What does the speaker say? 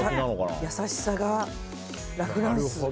この優しさがラ・フランスかな。